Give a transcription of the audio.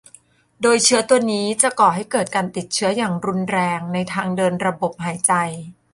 โดยเชื้อตัวนี้จะก่อให้เกิดการติดเชื้ออย่างรุนแรงในทางเดินระบบหายใจ